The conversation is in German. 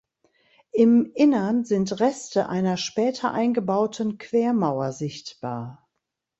Im Innern sind Reste einer später eingebauten Quermauer sichtbar.